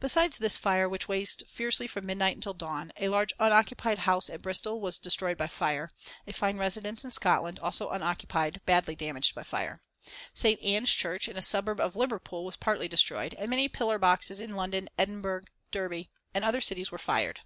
Besides this fire, which waged fiercely from midnight until dawn, a large unoccupied house at Bristol was destroyed by fire; a fine residence in Scotland, also unoccupied, was badly damaged by fire; St. Anne's Church in a suburb of Liverpool was partly destroyed; and many pillar boxes in London, Edinburgh, Derby and other cities were fired.